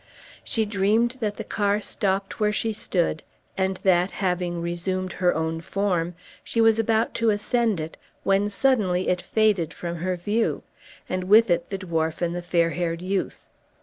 She dreamed that the car stopped where she stood, and that, having resumed her own form, she was about to ascend it, when suddenly it faded from her view, and with it the dwarf and the fair haired youth.